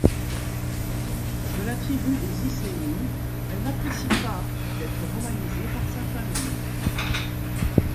De la tribu des Iceni, elle n'apprécie pas d'être romanisée par sa famille.